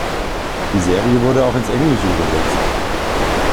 Die Serie wurde auch ins Englische übersetzt.